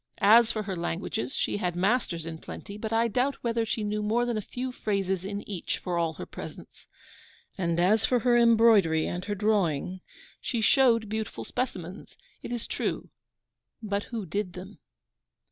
As for her languages, she had masters in plenty, but I doubt whether she knew more than a few phrases in each, for all her presence; and as for her embroidery and her drawing, she showed beautiful specimens, it is true, but WHO DID THEM?